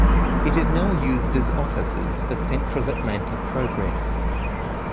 It is now used as offices for Central Atlanta Progress.